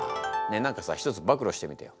ねえ何かさ一つ暴露してみてよ。